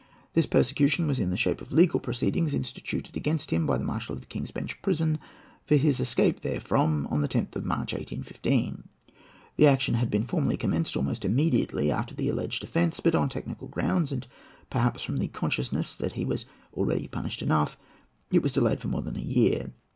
This persecution was in the shape of legal proceedings instituted against him by the Marshal of the King's Bench Prison for his escape therefrom on the 10th of March, 1815. The action had been formally commenced almost immediately after the alleged offence, but on technical grounds, and perhaps from the consciousness that he was already punished enough, it was delayed for more than a year.